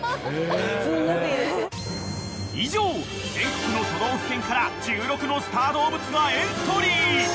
［以上全国の都道府県から１６のスター動物がエントリー］